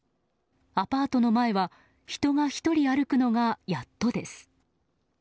アパートの前は人が１人歩くのがやっとです。